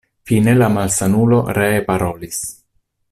Fine la malsanulo ree parolis: